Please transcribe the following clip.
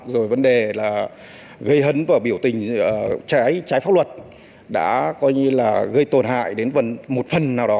rồi vấn đề gây hấn và biểu tình trái pháp luật đã gây tổn hại đến một phần nào đó